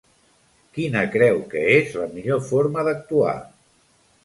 Quina creu que és la millor forma d'actuar?